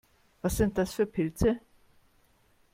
Was sind das für Pilze?